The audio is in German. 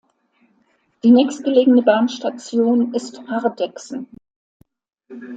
Die nächstgelegene Bahnstation ist Hardegsen.